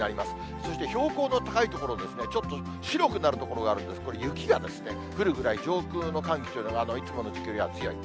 そして標高の高い所ですね、ちょっと白くなる所があるんです、これ、雪が降るぐらい、上空の寒気というのがいつもの時期よりは強い。